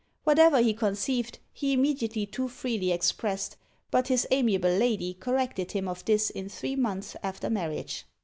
Whatever he conceived he immediately too freely expressed; but his amiable lady corrected him of this in three months after marriage.